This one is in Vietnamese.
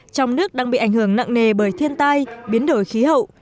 trong nước đang bị ảnh hưởng nặng nề bởi thiên tai biến đổi khí hậu